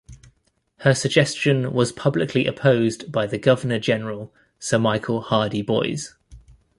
Her suggestion was publicly opposed by the Governor-General Sir Michael Hardie Boys.